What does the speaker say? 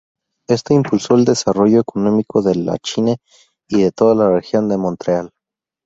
Esto impulsó el desarrollo económico de Lachine y de toda la región de Montreal.